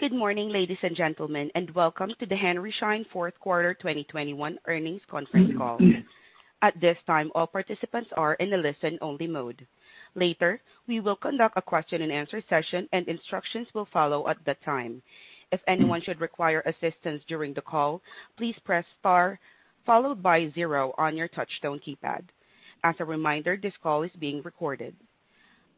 Good morning, ladies and gentlemen, and welcome to the Henry Schein Q4 2021 Earnings Conference Call. At this time, all participants are in a listen-only mode. Later, we will conduct a question and answer session and instructions will follow at the time. If anyone should require assistance during the call, please press star followed by zero on your touch tone keypad. As a reminder, this call is being recorded.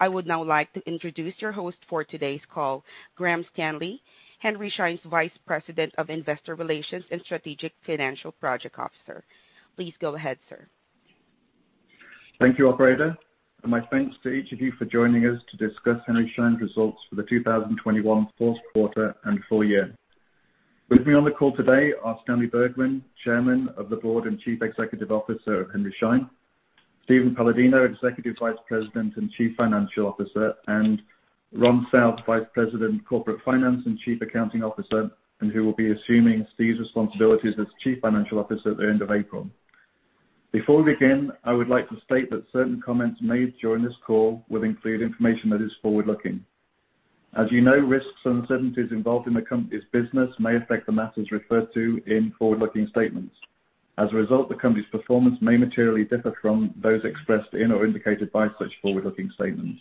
I would now like to introduce your host for today's call, Graham Stanley, Henry Schein's Vice President of Investor Relations and Strategic Finance Project Officer. Please go ahead, sir. Thank you, operator. My thanks to each of you for joining us to discuss Henry Schein's results for the 2021 Q4 and full year. With me on the call today are Stanley Bergman, Chairman of the Board and Chief Executive Officer of Henry Schein, Steven Paladino, Executive Vice President and Chief Financial Officer, and Ronald South, Vice President, Corporate Finance and Chief Accounting Officer, who will be assuming Steve's responsibilities as Chief Financial Officer at the end of April. Before we begin, I would like to state that certain comments made during this call will include information that is forward-looking. As you know, risks and uncertainties involved in the company's business may affect the matters referred to in forward-looking statements. As a result, the company's performance may materially differ from those expressed in or indicated by such forward-looking statements.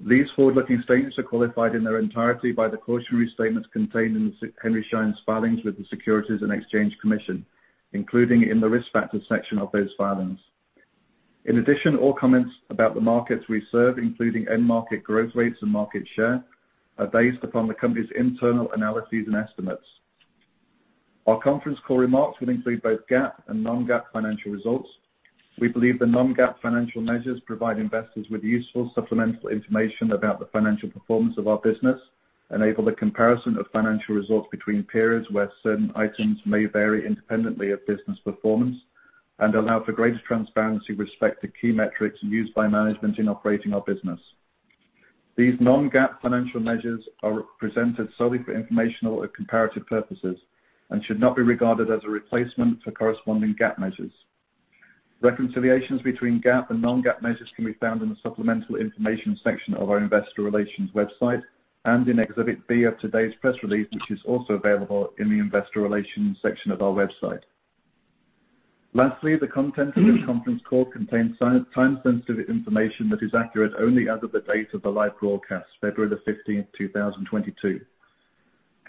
These forward-looking statements are qualified in their entirety by the cautionary statements contained in Henry Schein's filings with the Securities Exchange Commission, including in the Risk Factors section of those filings. In addition, all comments about the markets we serve, including end market growth rates and market share, are based upon the company's internal analyses and estimates. Our conference call remarks will include both GAAP and non-GAAP financial results. We believe the non-GAAP financial measures provide investors with useful supplemental information about the financial performance of our business, enable the comparison of financial results between periods where certain items may vary independently of business performance, and allow for greater transparency with respect to key metrics used by management in operating our business. These non-GAAP financial measures are presented solely for informational or comparative purposes and should not be regarded as a replacement for corresponding GAAP measures. Reconciliations between GAAP and non-GAAP measures can be found in the supplemental information section of our investor relations website and in Exhibit B of today's press release, which is also available in the Investor Relations section of our website. Lastly, the content of this conference call contains time-sensitive information that is accurate only as of the date of the live broadcast, February 15, 2022.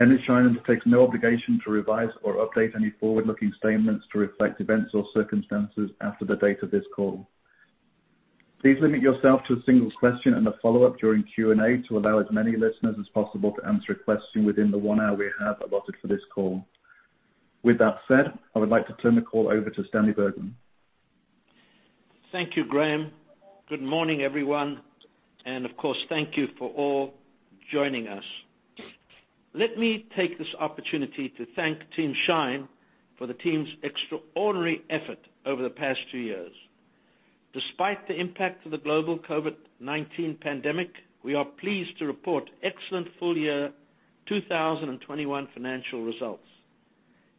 Henry Schein undertakes no obligation to revise or update any forward-looking statements to reflect events or circumstances after the date of this call. Please limit yourself to a single question and a follow-up during Q&A to allow as many listeners as possible to answer a question within the one hour we have allotted for this call. With that said, I would like to turn the call over to Stanley Bergman. Thank you, Graham. Good morning, everyone, and of course, thank you for all joining us. Let me take this opportunity to thank Team Henry Schein for the team's extraordinary effort over the past two years. Despite the impact of the global COVID-19 pandemic, we are pleased to report excellent full year 2021 financial results,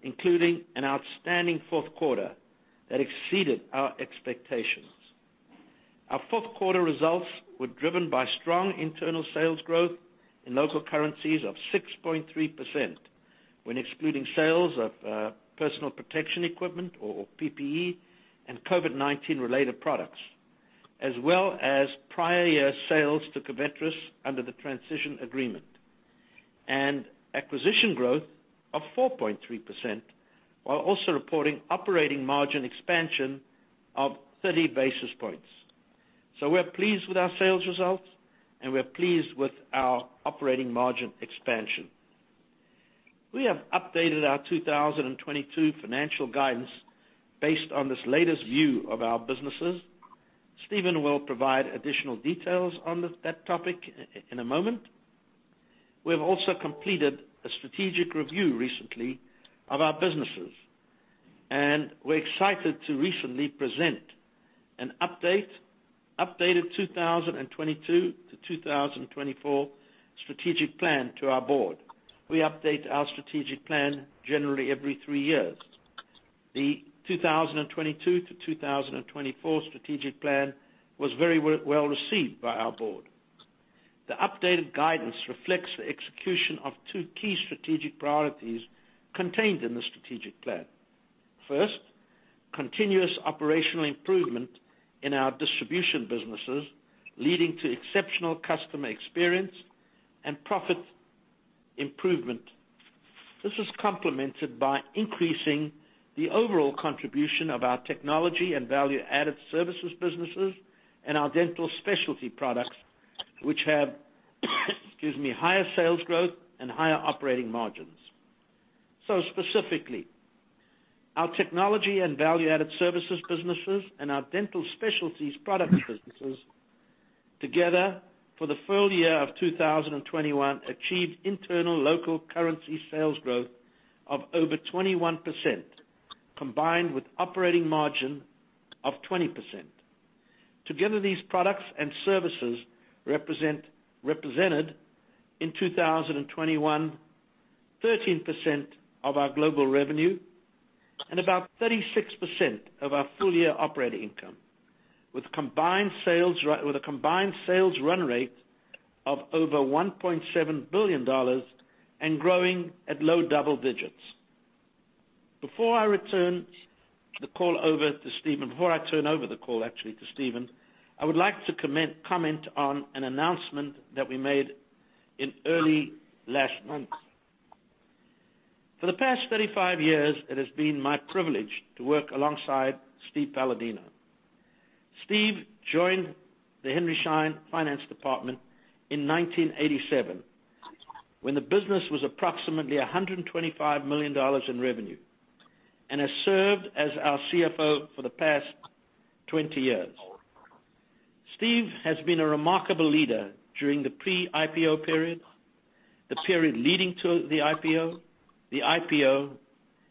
including an outstanding that exceeded our expectations. Our results were driven by strong internal sales growth in local currencies of 6.3% when excluding sales of personal protection equipment or PPE and COVID-19 related products, as well as prior year sales to Covetrus under the transition agreement, and acquisition growth of 4.3% while also reporting operating margin expansion of 30 basis points. We're pleased with our sales results, and we're pleased with our operating margin expansion. We have updated our 2022 financial guidance based on this latest view of our businesses. Steven will provide additional details on that topic in a moment. We have also completed a strategic review recently of our businesses, and we're excited to recently present an updated 2022 to 2024 strategic plan to our board. We update our strategic plan generally every three years. The 2022 to 2024 strategic plan was very well received by our board. The updated guidance reflects the execution of two key strategic priorities contained in the strategic plan. First, continuous operational improvement in our distribution businesses, leading to exceptional customer experience and profit improvement. This is complemented by increasing the overall contribution of our technology and value-added services businesses and our dental specialty products, which have, excuse me, higher sales growth and higher operating margins. Specifically, our technology and value-added services businesses and our dental specialties products businesses, together for the full year of 2021, achieved internal local currency sales growth of over 21%, combined with operating margin of 20%. Together, these products and services represented in 2021, 13% of our global revenue and about 36% of our full year operating income, with a combined sales run rate of over $1.7 billion and growing at low double digits. Before I turn over the call actually to Steven, I would like to comment on an announcement that we made early last month. For the past 35 years, it has been my privilege to work alongside Steve Paladino. Steve joined the Henry Schein finance department in 1987 when the business was approximately $125 million in revenue, and has served as our CFO for the past 20 years. Steve has been a remarkable leader during the pre-IPO period, the period leading to the IPO, the IPO,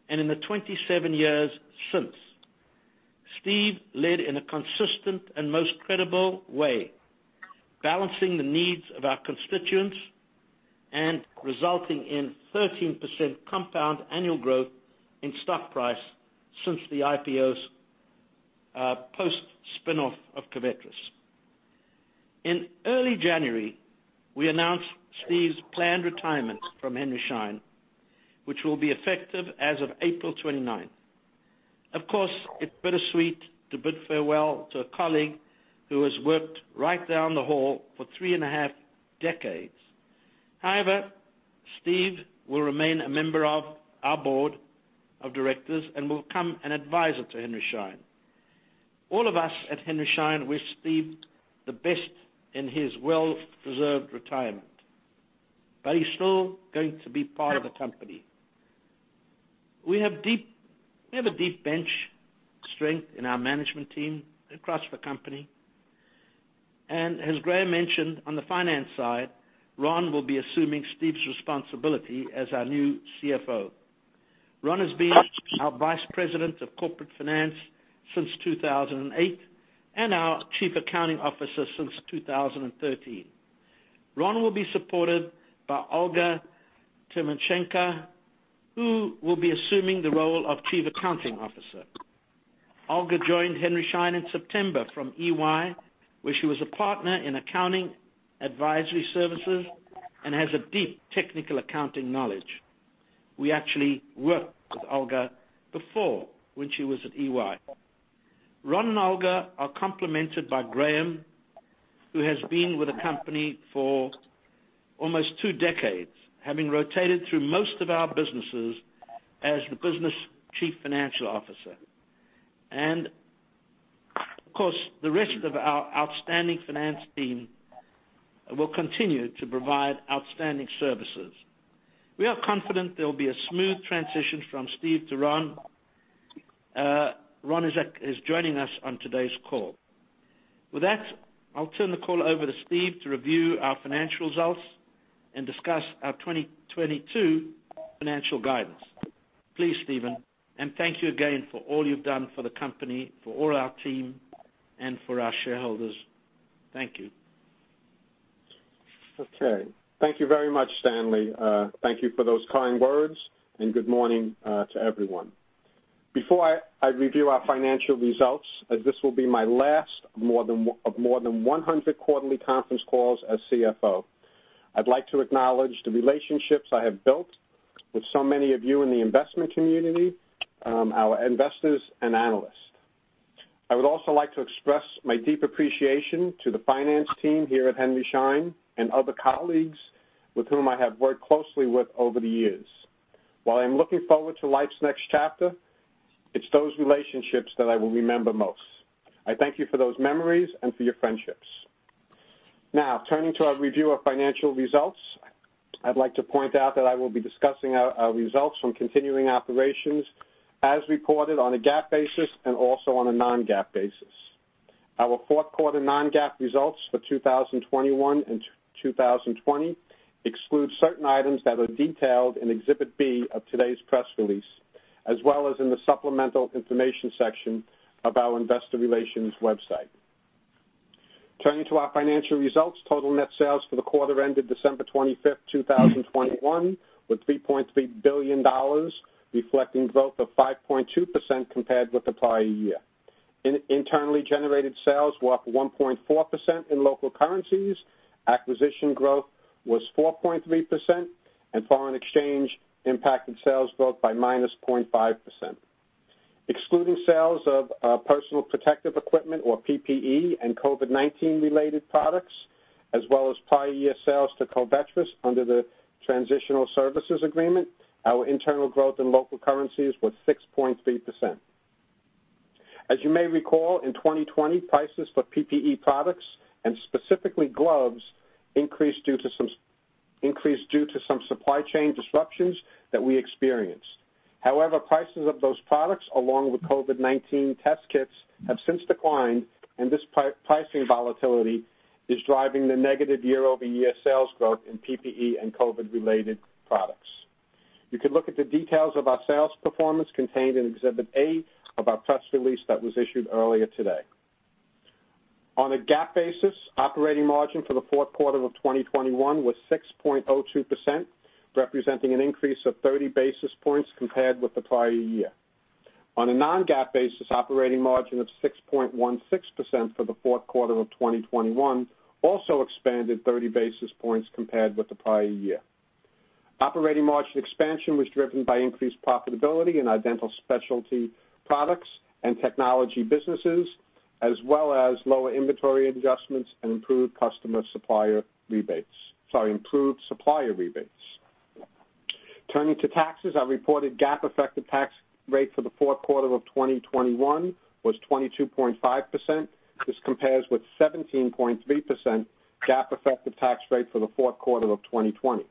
and in the 27 years since. Steve led in a consistent and most credible way, balancing the needs of our constituents and resulting in 13% compound annual growth in stock price since the IPO's post-spin off of Covetrus. In early January, we announced Steve's planned retirement from Henry Schein, which will be effective as of April 29. Of course, it's bittersweet to bid farewell to a colleague who has worked right down the hall for 3.5 decades. However, Steve will remain a member of our board of directors and will become an advisor to Henry Schein. All of us at Henry Schein wish Steve the best in his well-deserved retirement, but he's still going to be part of the company. We have a deep bench strength in our management team across the company. As Graham mentioned, on the finance side, Ron will be assuming Steve's responsibility as our new CFO. Ron has been our Vice President of Corporate Finance since 2008, and our Chief Accounting Officer since 2013. Ron will be supported by Olga Timoshkina, who will be assuming the role of Chief Accounting Officer. Olga joined Henry Schein in September from EY, where she was a partner in accounting advisory services and has a deep technical accounting knowledge. We actually worked with Olga before when she was at EY. Ron and Olga are complemented by Graham, who has been with the company for almost two decades, having rotated through most of our businesses as the Business Chief Financial Officer. Of course, the rest of our outstanding finance team will continue to provide outstanding services. We are confident there will be a smooth transition from Steve to Ron. Ron is joining us on today's call. With that, I'll turn the call over to Steve to review our financial results and discuss our 2022 financial guidance. Please, Steven, and thank you again for all you've done for the company, for all our team, and for our shareholders. Thank you. Okay. Thank you very much, Stanley. Thank you for those kind words, and good morning to everyone. Before I review our financial results, as this will be my last more than 100 quarterly conference calls as CFO, I'd like to acknowledge the relationships I have built with so many of you in the investment community, our investors and analysts. I would also like to express my deep appreciation to the finance team here at Henry Schein and other colleagues with whom I have worked closely with over the years. While I'm looking forward to life's next chapter, it's those relationships that I will remember most. I thank you for those memories and for your friendships. Now, turning to our review of financial results, I'd like to point out that I will be discussing our results from continuing operations as reported on a GAAP basis and also on a non-GAAP basis. Our Q4 non-GAAP results for 2021 and 2020 exclude certain items that are detailed in Exhibit B of today's press release, as well as in the Supplemental Information section of our investor relations website. Turning to our financial results, total net sales for the quarter ended December 25, 2021, were $3.3 billion, reflecting growth of 5.2% compared with the prior year. Internally generated sales were up 1.4% in local currencies, acquisition growth was 4.3%, and foreign exchange impacted sales growth by -0.5%. Excluding sales of personal protective equipment or PPE and COVID-19 related products, as well as prior year sales to Covetrus under the transitional services agreement, our internal growth in local currencies was 6.3%. As you may recall, in 2020, prices for PPE products, and specifically gloves, increased due to some supply chain disruptions that we experienced. However, prices of those products, along with COVID-19 test kits, have since declined, and this pricing volatility is driving the negative year-over-year sales growth in PPE and COVID-related products. You can look at the details of our sales performance contained in Exhibit A of our press release that was issued earlier today. On a GAAP basis, operating margin for the of 2021 was 6.02%, representing an increase of 30 basis points compared with the prior year. On a non-GAAP basis, operating margin of 6.16% for the Q4 of 2021 also expanded 30 basis points compared with the prior year. Operating margin expansion was driven by increased profitability in our dental specialty products and technology businesses, as well as lower inventory adjustments and improved customer supplier rebates. Sorry, improved supplier rebates. Turning to taxes, our reported GAAP effective tax rate for the Q4 of 2021 was 22.5%. This compares with 17.3% GAAP effective tax rate for the Q4 of 2020.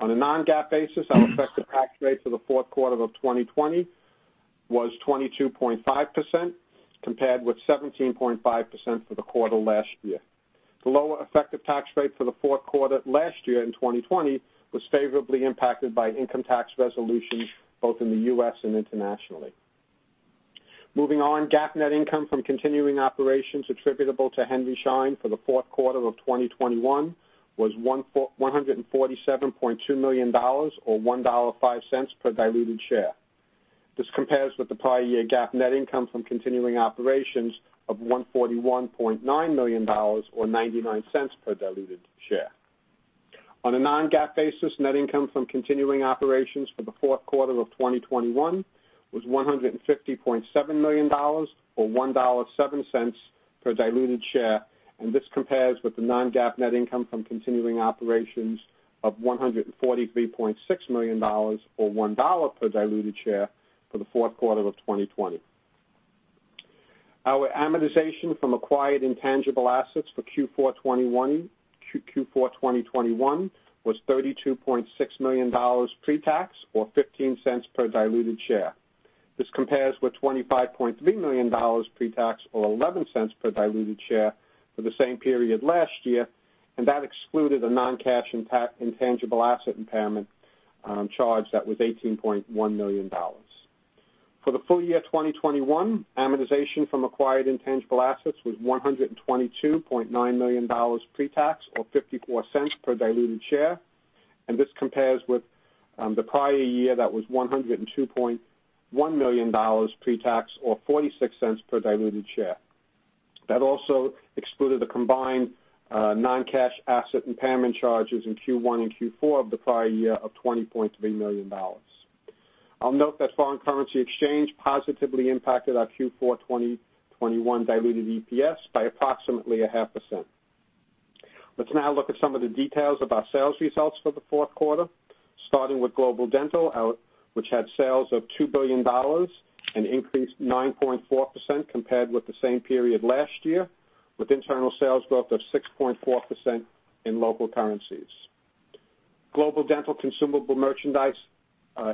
On a non-GAAP basis, our effective tax rate for the Q4 of 2020 was 22.5%, compared with 17.5% for the quarter last year. The lower effective tax rate for the Q4 last year in 2020 was favorably impacted by income tax resolutions both in the U.S. and internationally. Moving on. GAAP net income from continuing operations attributable to Henry Schein for the Q4 of 2021 was $147.2 million or 1.05 per diluted share. This compares with the prior year GAAP net income from continuing operations of $141.9 million or 0.99 per diluted share. On a non-GAAP basis, net income from continuing operations for the Q4 of 2021 was $150.7 million or 1.07 per diluted share, and this compares with the non-GAAP net income from continuing operations of $143.6 million or 1 per diluted share for the Q4 of 2020. Our amortization from acquired intangible assets for Q4 2021 was $32.6 million pre-tax or 0.15 per diluted share. This compares with $25.3 million pre-tax or 0.11 per diluted share for the same period last year, and that excluded a non-cash impact, intangible asset impairment charge that was $18.1 million. For the full year 2021, amortization from acquired intangible assets was $122.9 million pre-tax or $0.54 per diluted share, and this compares with the prior year that was $102.1 million pre-tax or $0.46 per diluted share. That also excluded the combined non-cash asset impairment charges in Q1 and Q4 of the prior year of $20.3 million. I'll note that foreign currency exchange positively impacted our Q4 2021 diluted EPS by approximately 0.5%. Let's now look at some of the details of our sales results for the Q4, starting with Global Dental, which had sales of $2 billion, an increase 9.4% compared with the same period last year, with internal sales growth of 6.4% in local currencies. Global Dental consumable merchandise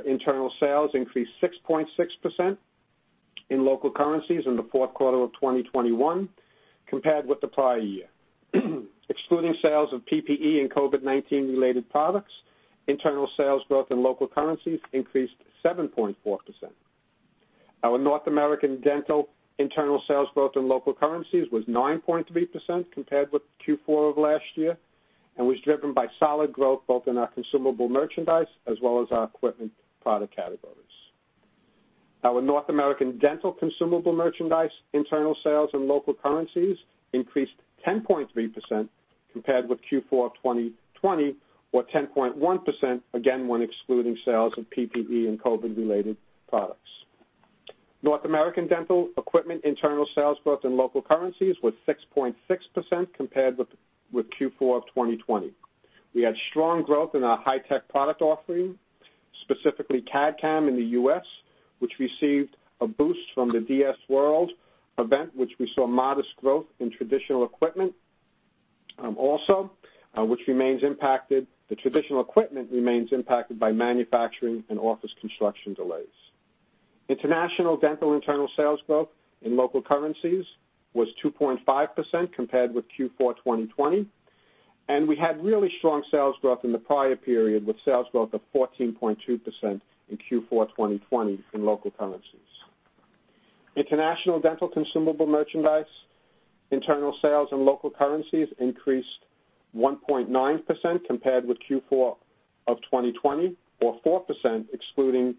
internal sales increased 6.6% in local currencies in the Q4 of 2021 compared with the prior year. Excluding sales of PPE and COVID-19 related products, internal sales growth in local currencies increased 7.4%. Our North American Dental internal sales growth in local currencies was 9.3% compared with Q4 of last year and was driven by solid growth both in our consumable merchandise as well as our equipment product categories. Our North American Dental consumable merchandise internal sales in local currencies increased 10.3% compared with Q4 of 2020 or 10.1%, again, when excluding sales of PPE and COVID related products. North American Dental equipment internal sales growth in local currencies was 6.6% compared with Q4 of 2020. We had strong growth in our high-tech product offering, specifically CAD/CAM in the U.S., which received a boost from the DS World event, which we saw modest growth in traditional equipment, also, which remains impacted by manufacturing and office construction delays. International Dental internal sales growth in local currencies was 2.5% compared with Q4 2020, and we had really strong sales growth in the prior period with sales growth of 14.2% in Q4 2020 in local currencies. International dental consumable merchandise internal sales in local currencies increased 1.9% compared with Q4 of 2020 or 4% excluding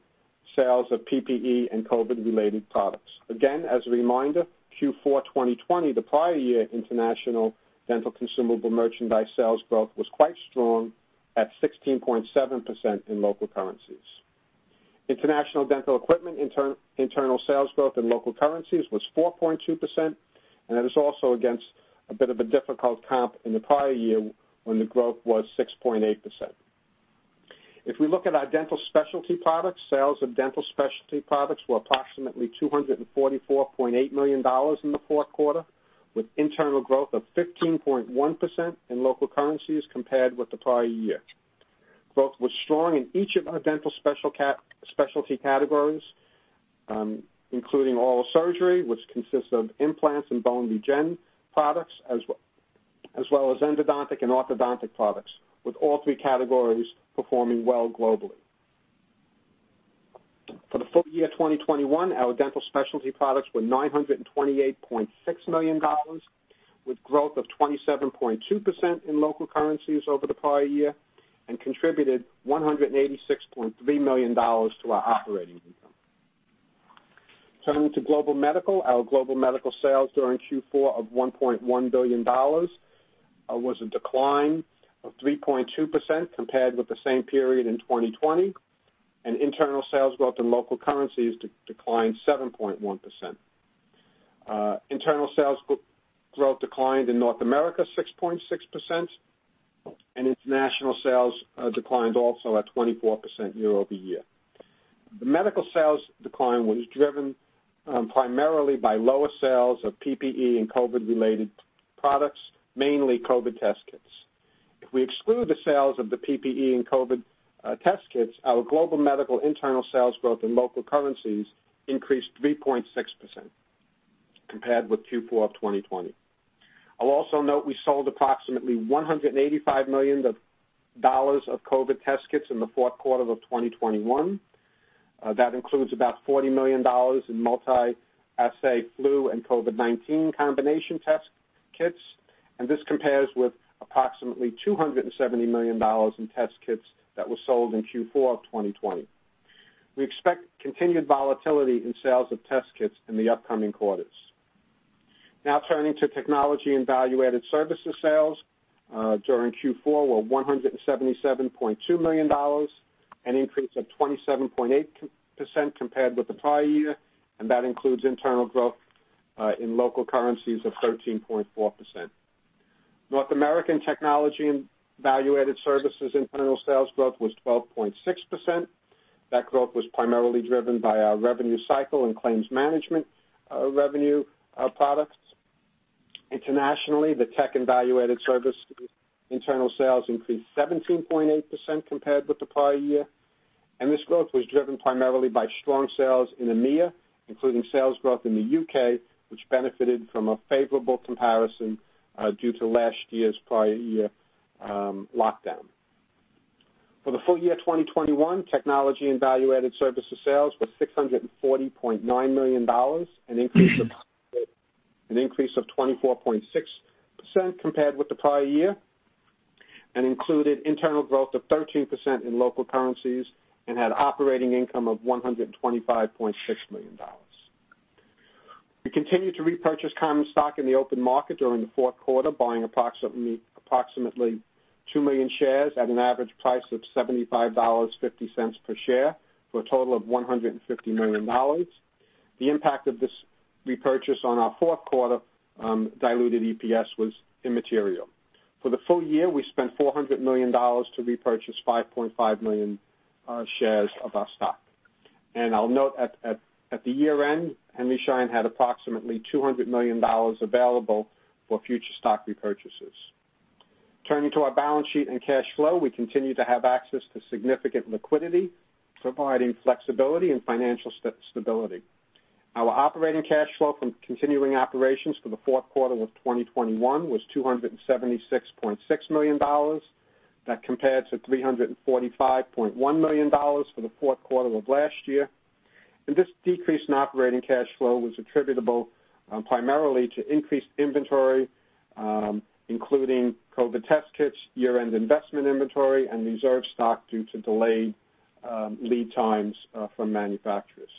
sales of PPE and COVID related products. Again, as a reminder, Q4 2020, the prior year International Dental consumable merchandise sales growth was quite strong at 16.7% in local currencies. International Dental equipment internal sales growth in local currencies was 4.2%, and it is also against a bit of a difficult comp in the prior year when the growth was 6.8%. If we look at our dental specialty products, sales of dental specialty products were approximately $244.8 million in the Q4, with internal growth of 15.1% in local currencies compared with the prior year. Growth was strong in each of our dental specialty categories, including oral surgery, which consists of implants and bone regeneration products, as well as endodontic and orthodontic products, with all three categories performing well globally. For the full year of 2021, our dental specialty products were $928.6 million, with growth of 27.2% in local currencies over the prior year, and contributed $186.3 million to our operating income. Turning to Global Medical. Our Global Medical sales during Q4 of $1.1 billion was a decline of 3.2% compared with the same period in 2020. Internal sales growth in local currencies declined 7.1%. Internal sales growth declined in North America 6.6%, and international sales declined also at 24% year-over-year. The medical sales decline was driven primarily by lower sales of PPE and COVID-related products, mainly COVID test kits. If we exclude the sales of the PPE and COVID test kits, our global medical internal sales growth in local currencies increased 3.6% compared with Q4 of 2020. I'll also note we sold approximately $185 million dollars of COVID test kits in the of 2021. That includes about $40 million in multi-assay flu and COVID-19 combination test kits, and this compares with approximately 270 million in test kits that were sold in Q4 of 2020. We expect continued volatility in sales of test kits in the upcoming quarters. Now turning to technology and value-added services sales during Q4 were $177.2 million, an increase of 27.8% compared to the prior year, and that includes internal growth in local currencies of 13.4%. North American technology and value-added services internal sales growth was 12.6%. That growth was primarily driven by our revenue cycle and claims management revenue products. Internationally, the tech and value-added service internal sales increased 17.8% compared with the prior year, and this growth was driven primarily by strong sales in EMEA, including sales growth in the U.K., which benefited from a favorable comparison due to last year's prior year lockdown. For the full year of 2021, technology and value-added services sales were $640.9 million, an increase of 24.6% compared with the prior year, and included internal growth of 13% in local currencies and had operating income of 125.6 million. We continued to repurchase common stock in the open market during the Q4, buying approximately two million shares at an average price of $75.50 per share for a total of 150 million. The impact of this repurchase on our Q4 diluted EPS was immaterial. For the full year, we spent $400 million to repurchase 5.5 million shares of our stock. I'll note at the year-end, Henry Schein had approximately $200 million available for future stock repurchases. Turning to our balance sheet and cash flow, we continue to have access to significant liquidity, providing flexibility and financial stability. Our operating cash flow from continuing operations for the Q4 of 2021 was $276.6 million. That compares to $345.1 million for the Q4 of last year. This decrease in operating cash flow was attributable, primarily to increased inventory, including COVID-19 test kits, year-end investment inventory, and reserved stock due to delayed, lead times, from manufacturers.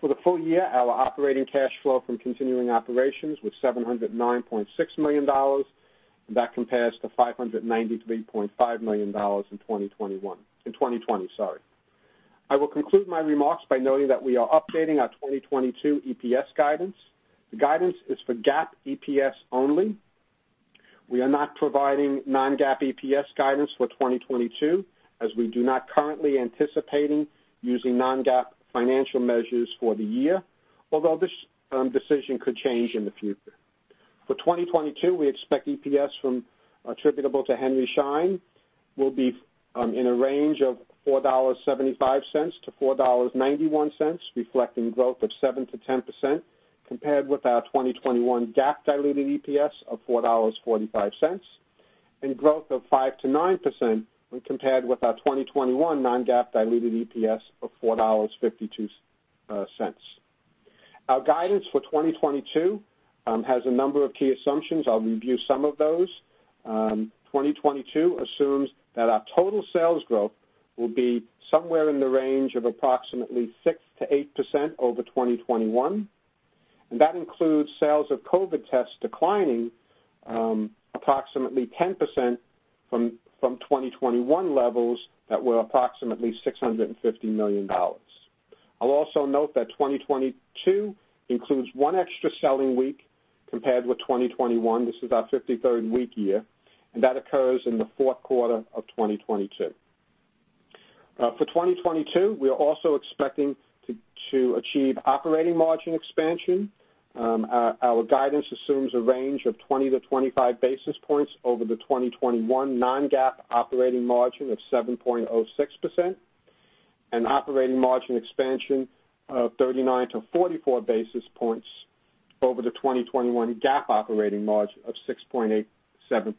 For the full year, our operating cash flow from continuing operations was $709.6, and that compares to 593.5 million in 2020, sorry. I will conclude my remarks by noting that we are updating our 2022 EPS guidance. The guidance is for GAAP EPS only. We are not providing non-GAAP EPS guidance for 2022, as we do not currently anticipate using non-GAAP financial measures for the year, although this decision could change in the future. For 2022, we expect EPS attributable to Henry Schein will be in a range of $4.75-4.91, reflecting growth of 7%-10% compared with our 2021 GAAP diluted EPS of $4.45, and growth of 5%-9% when compared with our 2021 non-GAAP diluted EPS of $4.52. Our guidance for 2022 has a number of key assumptions. I'll review some of those. 2022 assumes that our total sales growth will be somewhere in the range of approximately 6%-8% over 2021, and that includes sales of COVID tests declining approximately 10% from 2021 levels that were approximately $650 million. I'll also note that 2022 includes one extra selling week compared with 2021. This is our 53rd week year, and that occurs in the Q4 of 2022. For 2022, we are also expecting to achieve operating margin expansion. Our guidance assumes a range of 20-25 basis points over the 2021 non-GAAP operating margin of 7.06%, and operating margin expansion of 39-44 basis points compared to 2021 GAAP operating margin of 6.87%.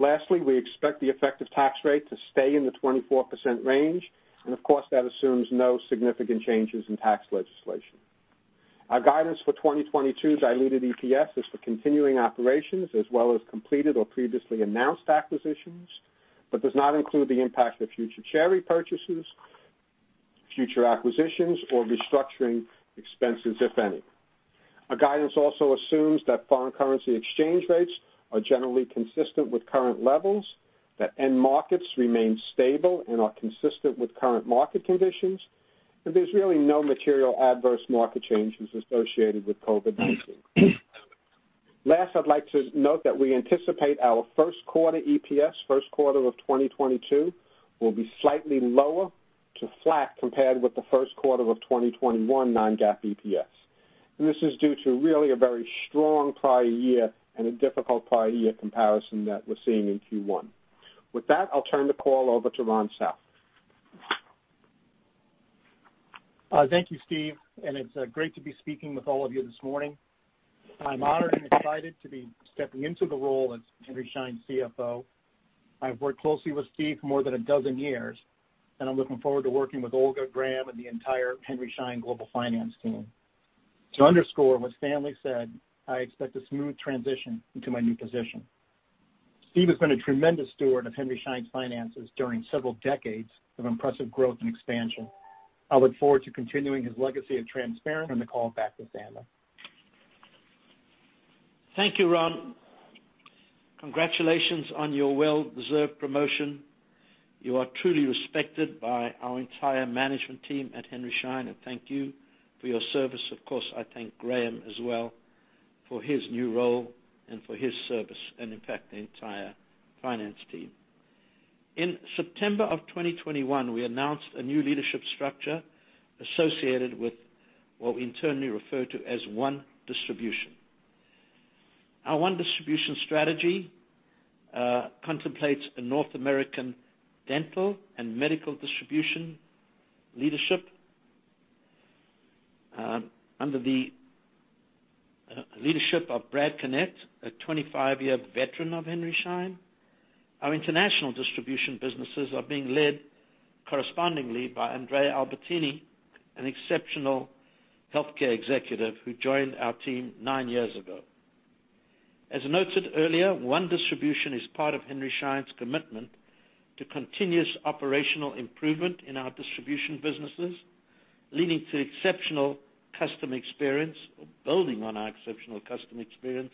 Lastly, we expect the effective tax rate to stay in the 24% range, and of course, that assumes no significant changes in tax legislation. Our guidance for 2022 diluted EPS is for continuing operations as well as completed or previously announced acquisitions, but does not include the impact of future share repurchases, future acquisitions or restructuring expenses, if any. Our guidance also assumes that foreign currency exchange rates are generally consistent with current levels, that end markets remain stable and are consistent with current market conditions, and there's really no material adverse market changes associated with COVID-19. Last, I'd like to note that we anticipate our Q1 EPS, Q1 of 2022 will be slightly lower to flat compared with the Q1 of 2021 non-GAAP EPS. This is due to really a very strong prior year and a difficult prior year comparison that we're seeing in Q1. With that, I'll turn the call over to Ronald South. Thank you, Steve, and it's great to be speaking with all of you this morning. I'm honored and excited to be stepping into the role as Henry Schein CFO. I've worked closely with Steve for more than a dozen years, and I'm looking forward to working with Olga, Graham, and the entire Henry Schein global finance team. To underscore what Stanley said, I expect a smooth transition into my new position. Steve has been a tremendous steward of Henry Schein's finances during several decades of impressive growth and expansion. I look forward to continuing his legacy of transparency. Turn the call back to Stanley. Thank you, Ron. Congratulations on your well-deserved promotion. You are truly respected by our entire management team at Henry Schein, and thank you for your service. Of course, I thank Graham as well for his new role and for his service, and in fact, the entire finance team. In September of 2021, we announced a new leadership structure associated with what we internally refer to as One Distribution. Our One Distribution strategy contemplates a North American dental and medical distribution leadership under the leadership of Brad Connett, a 25-year veteran of Henry Schein. Our international distribution businesses are being led correspondingly by Andrea Albertini, an exceptional healthcare executive who joined our team nine years ago. As noted earlier, One Distribution is part of Henry Schein's commitment to continuous operational improvement in our distribution businesses, leading to exceptional customer experience or building on our exceptional customer experience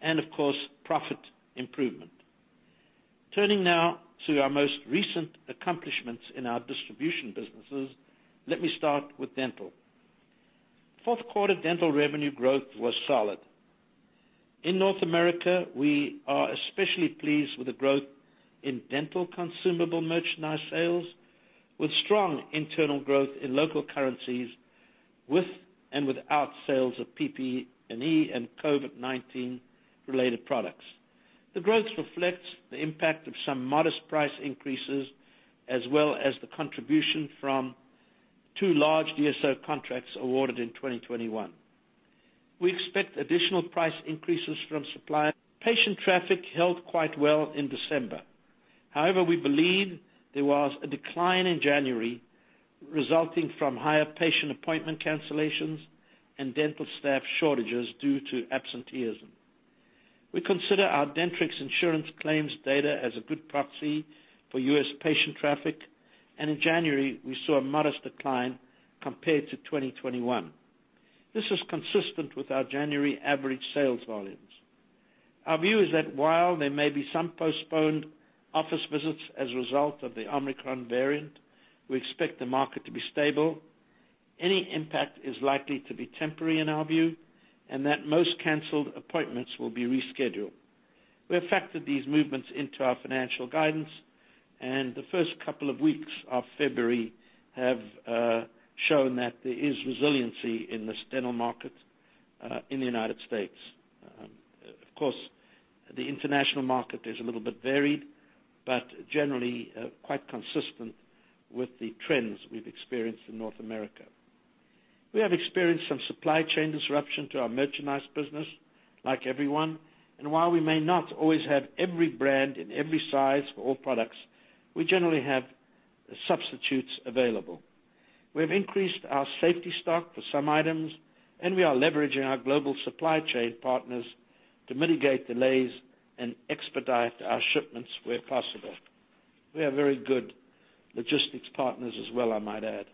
and, of course, profit improvement. Turning now to our most recent accomplishments in our distribution businesses, let me start with dental. dental revenue growth was solid. In North America, we are especially pleased with the growth in dental consumable merchandise sales, with strong internal growth in local currencies with and without sales of PPE and COVID-19 related products. The growth reflects the impact of some modest price increases as well as the contribution from two large DSO contracts awarded in 2021. We expect additional price increases from suppliers. Patient traffic held quite well in December. However, we believe there was a decline in January resulting from higher patient appointment cancellations and dental staff shortages due to absenteeism. We consider our Dentrix insurance claims data as a good proxy for U.S. patient traffic, and in January, we saw a modest decline compared to 2021. This is consistent with our January average sales volumes. Our view is that while there may be some postponed office visits as a result of the Omicron variant, we expect the market to be stable. Any impact is likely to be temporary in our view, and that most canceled appointments will be rescheduled. We have factored these movements into our financial guidance, and the first couple of weeks of February have shown that there is resiliency in this dental market in the United States. Of course, the international market is a little bit varied, but generally, quite consistent with the trends we've experienced in North America. We have experienced some supply chain disruption to our merchandise business, like everyone, and while we may not always have every brand in every size for all products, we generally have substitutes available. We have increased our safety stock for some items, and we are leveraging our global supply chain partners to mitigate delays and expedite our shipments where possible. We have very good logistics partners as well, I might add.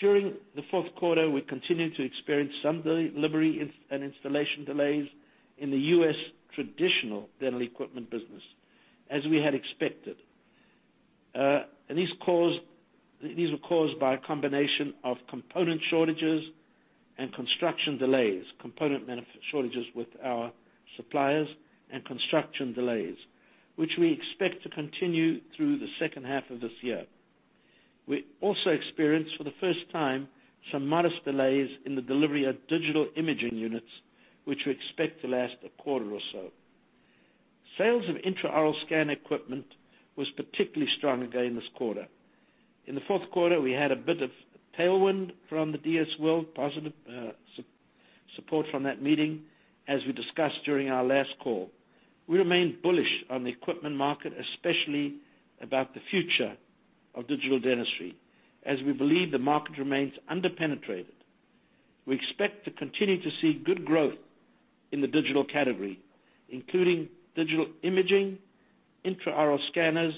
During the Q4, we continued to experience some delivery and installation delays in the U.S. traditional dental equipment business, as we had expected. These were caused by a combination of component shortages with our suppliers and construction delays, which we expect to continue through the second half of this year. We also experienced, for the first time, some modest delays in the delivery of digital imaging units, which we expect to last a quarter or so. Sales of intraoral scan equipment was particularly strong again this quarter. In the Q4, we had a bit of tailwind from the DS World, positive support from that meeting, as we discussed during our last call. We remain bullish on the equipment market, especially about the future of digital dentistry, as we believe the market remains under-penetrated. We expect to continue to see good growth in the digital category, including digital imaging, intraoral scanners,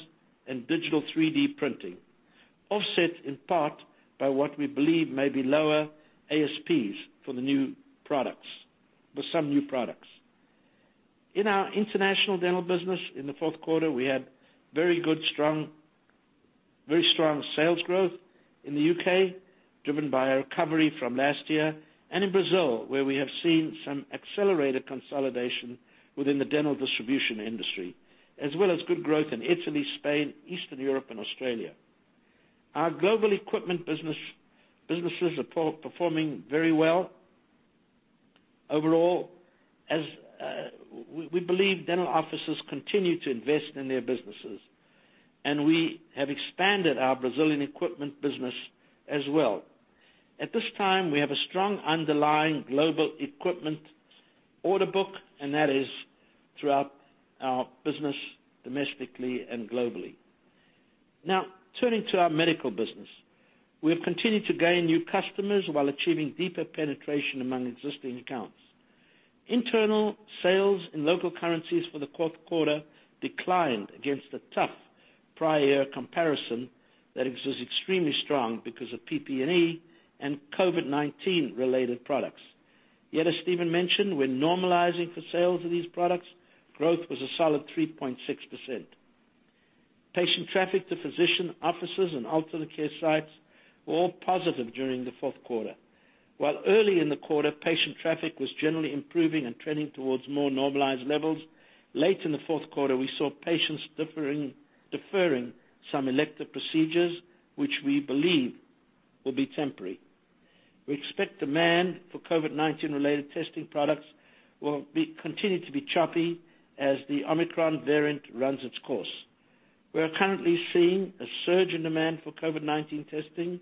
and digital 3D printing, offset in part by what we believe may be lower ASPs for some new products. In our international dental business in Q4, we had very strong sales growth in the U.K., driven by a recovery from last year, and in Brazil, where we have seen some accelerated consolidation within the dental distribution industry, as well as good growth in Italy, Spain, Eastern Europe, and Australia. Our global equipment business is performing very well overall as we believe dental offices continue to invest in their businesses, and we have expanded our Brazilian equipment business as well. At this time, we have a strong underlying global equipment order book, and that is throughout our business domestically and globally. Now, turning to our medical business. We have continued to gain new customers while achieving deeper penetration among existing accounts. Internal sales in local currencies for the declined against a tough prior year comparison that was extremely strong because of PPE and COVID-19 related products. Yet, as Steven mentioned, when normalizing for sales of these products, growth was a solid 3.6%. Patient traffic to physician offices and alternate care sites were all positive during the Q4. While early in the quarter, patient traffic was generally improving and trending towards more normalized levels, late in Q4, we saw patients deferring some elective procedures, which we believe will be temporary. We expect demand for COVID-19 related testing products will continue to be choppy as the Omicron variant runs its course. We are currently seeing a surge in demand for COVID-19 testing.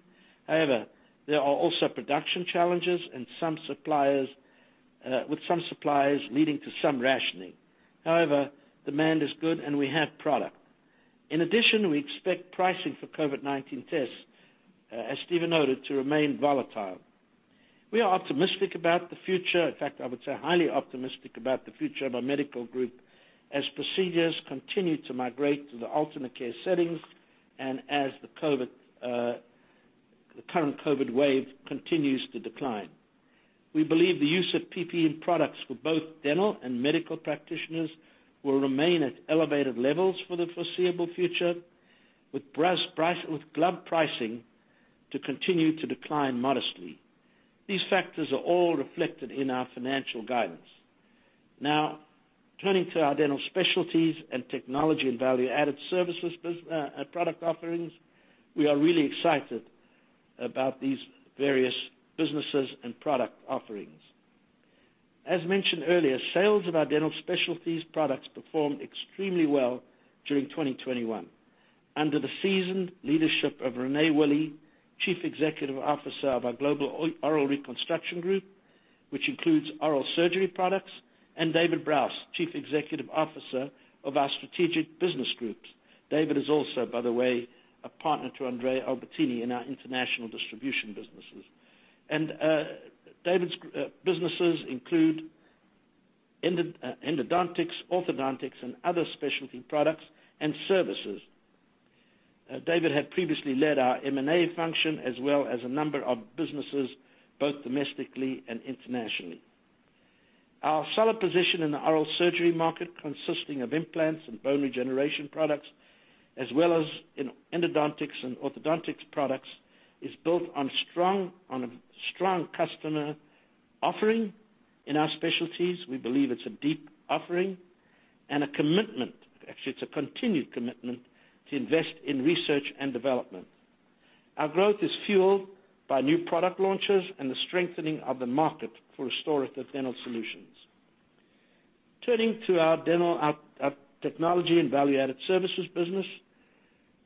However, there are also production challenges and some suppliers with some suppliers leading to some rationing. However, demand is good and we have product. In addition, we expect pricing for COVID-19 tests, as Steven noted, to remain volatile. We are optimistic about the future. In fact, I would say highly optimistic about the future of our medical group as procedures continue to migrate to the alternate care settings and as the current COVID wave continues to decline. We believe the use of PPE products for both dental and medical practitioners will remain at elevated levels for the foreseeable future, with glove pricing to continue to decline modestly. These factors are all reflected in our financial guidance. Now, turning to our dental specialties and technology and value-added services product offerings, we are really excited about these various businesses and product offerings. As mentioned earlier, sales of our dental specialties products performed extremely well during 2021. Under the seasoned leadership of Rene Willi, Chief Executive Officer of our Global Oral Reconstruction Group, which includes oral surgery products, and David Brous, Chief Executive Officer of our Strategic Business Groups. David is also, by the way, a partner to Andrea Albertini in our international distribution businesses. David's businesses include endodontics, orthodontics, and other specialty products and services. David had previously led our M&A function as well as a number of businesses, both domestically and internationally. Our solid position in the oral surgery market, consisting of implants and bone regeneration products, as well as in endodontics and orthodontics products, is built on a strong customer offering in our specialties. We believe it's a deep offering and a commitment. Actually, it's a continued commitment to invest in research and development. Our growth is fueled by new product launches and the strengthening of the market for restorative dental solutions. Turning to our technology and value-added services business,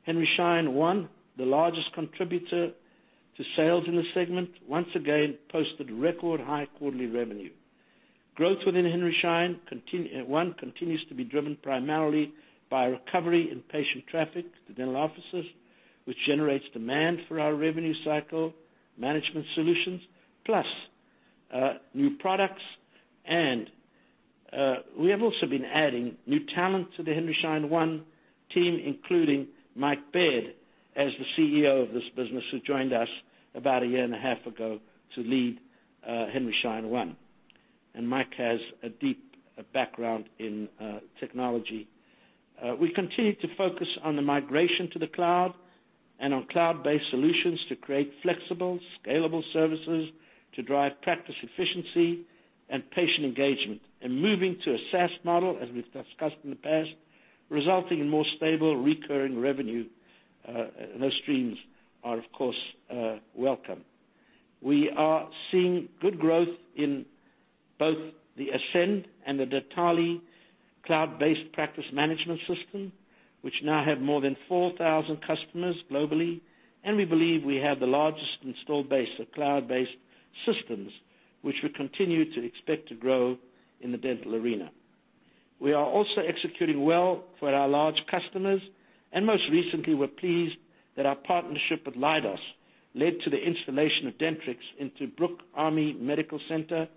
Henry Schein One, the largest contributor to sales in this segment, once again posted record high quarterly revenue. Growth within Henry Schein One continues to be driven primarily by recovery in patient traffic to dental offices, which generates demand for our revenue cycle management solutions, plus new products. We have also been adding new talent to the Henry Schein One team, including Mike Baird as the CEO of this business, who joined us about 1.5 years ago to lead Henry Schein One. Mike has a deep background in technology. We continue to focus on the migration to the cloud and on cloud-based solutions to create flexible, scalable services to drive practice efficiency and patient engagement, and moving to a SaaS model, as we've discussed in the past, resulting in more stable recurring revenue, and those streams are, of course, welcome. We are seeing good growth in both the Ascend and the Dentally cloud-based practice management system, which now have more than 4,000 customers globally. We believe we have the largest installed base of cloud-based systems, which we continue to expect to grow in the dental arena. We are also executing well for our large customers, and most recently, we're pleased that our partnership with Leidos led to the installation of Dentrix into Brooke Army Medical Center,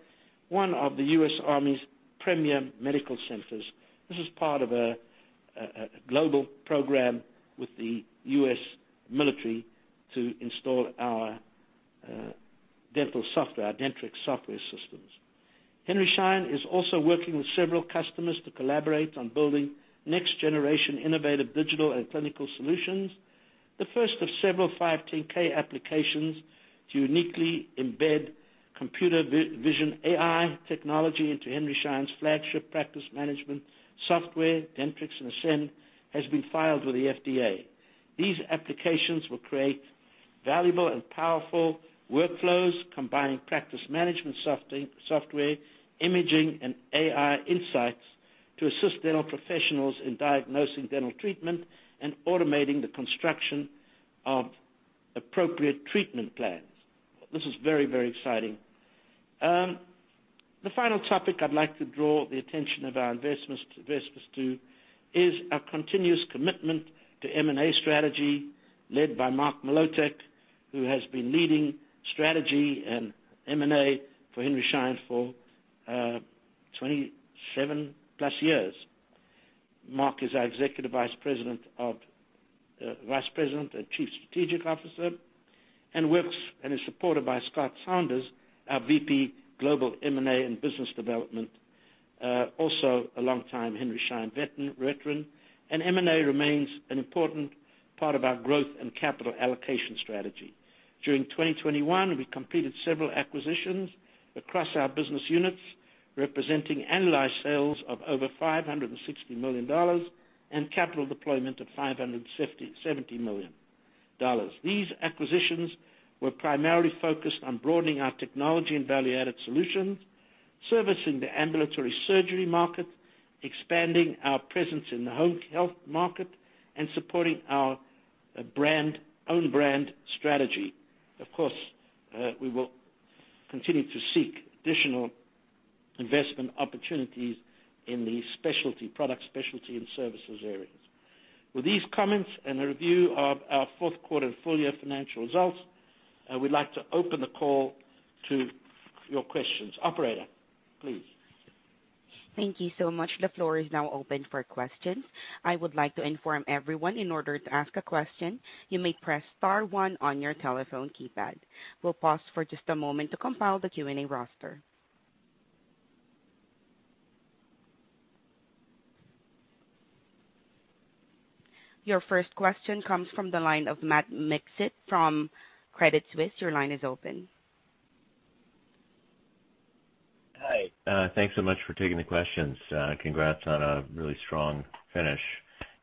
one of the U.S. Army's premier medical centers. This is part of a global program with the U.S. military to install our dental software, our Dentrix software systems. Henry Schein is also working with several customers to collaborate on building next-generation innovative digital and clinical solutions. The first of several 510K applications to uniquely embed computer vision AI technology into Henry Schein's flagship practice management software, Dentrix and Ascend, has been filed with the FDA. These applications will create valuable and powerful workflows combining practice management software, imaging, and AI insights to assist dental professionals in diagnosing dental treatment and automating the construction of appropriate treatment plans. This is very exciting. The final topic I'd like to draw the attention of our investors to is our continuous commitment to M&A strategy led by Mark Mlotek, who has been leading strategy and M&A for Henry Schein for 27+ years. Mark is our Executive Vice President and Chief Strategic Officer, and is supported by Scott Saunders, our VP Global M&A and Business Development, also a longtime Henry Schein veteran. M&A remains an important part of our growth and capital allocation strategy. During 2021, we completed several acquisitions across our business units, representing annualized sales of over $560 million and capital deployment of 557 million. These acquisitions were primarily focused on broadening our technology and value-added solutions, servicing the ambulatory surgery market, expanding our presence in the home health market, and supporting our own brand strategy. Of course, we will continue to seek additional investment opportunities in the specialty product, specialty and services areas. With these comments and a review of our and full-year financial results, I would like to open the call to your questions. Operator, please. Thank you so much. The floor is now open for questions. I would like to inform everyone in order to ask a question, you may press star one on your telephone keypad. We'll pause for just a moment to compile the Q&A roster. Your first question comes from the line of Matt Miksic from Credit Suisse. Your line is open. Hi, thanks so much for taking the questions. Congrats on a really strong finish